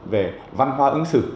về văn hóa ứng xử